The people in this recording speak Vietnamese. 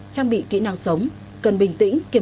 trang bị kỹ năng sống cần bình tĩnh